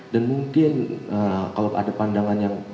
dan mungkin kalau ada pandangan yang